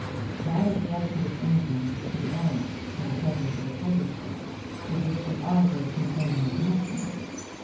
That is the attitude of England to the Orient in the presence of a tiger story with which the auditors can claim no connection.